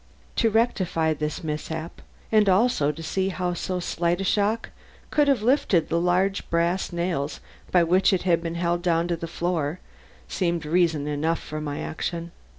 To rectify this mishap, and also to see how so slight a shock could have lifted the large brass nails by which it had been held down to the floor, seemed reason enough for my action.